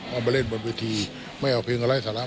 เอาไปเล่นบนวิธีไม่เอาเพลงอะไรสักแล้ว